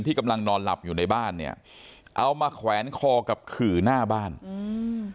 กำลังนอนหลับอยู่ในบ้านเนี้ยเอามาแขวนคอกับขื่อหน้าบ้านอืม